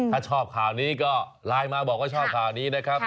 ถ้าชอบข่าวนี้ก็ไลน์มาบอกว่าชอบข่าวนี้นะครับ